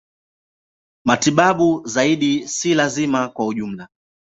Matibabu zaidi si lazima kwa ujumla.